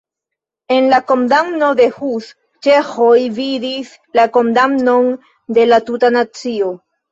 En la kondamno de Hus ĉeĥoj vidis la kondamnon de la tuta nacio.